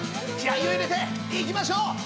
気合いを入れていきましょう！